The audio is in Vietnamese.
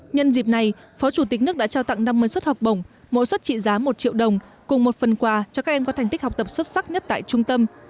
nhân dịp này phó chủ tịch nước đã trao tặng năm mươi suất học bổng mỗi suất trị giá một triệu đồng cùng một phần quà cho các em có thành tích học tập xuất sắc nhất tại trung tâm